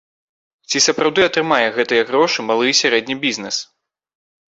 Ці сапраўды атрымае гэтыя грошы малы і сярэдні бізнэс?